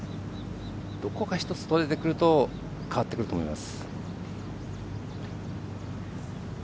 どこか１つ取れてくると変わってくると思います。